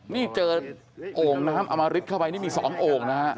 นี่เจอโอ่งนะครับเอามาริดเข้าไปนี่มี๒โอ่งนะครับ